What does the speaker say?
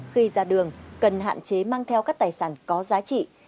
khi ra đường cần hạn chế mang theo các tài sản có giá trị